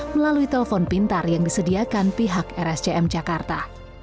melalui telepon pintar yang disediakan pihak rscm jakarta